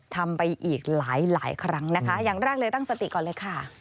ทำไปอีกหลายครั้งนะคะอย่างแรกเลยตั้งสติก่อนเลยค่ะ